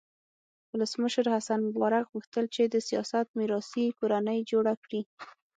ولسمشر حسن مبارک غوښتل چې د سیاست میراثي کورنۍ جوړه کړي.